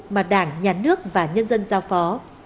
mà đảng nhà nước và nhân dân giao phó